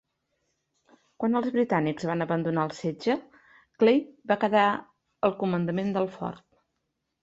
Quan els britànics van abandonar el setge, Clay va quedar a el comandament del fort.